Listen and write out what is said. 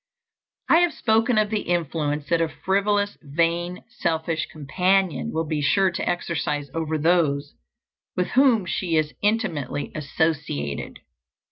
I have spoken of the influence that a frivolous, vain, selfish companion will be sure to exercise over those with whom she is intimately associated.